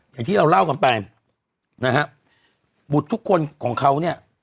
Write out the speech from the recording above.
อย่างที่เราเล่ากันไปนะฮะบุตรทุกคนของเขาเนี่ย